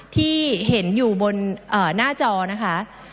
ที่เห็นอยู่บนหน้าจอนะคะ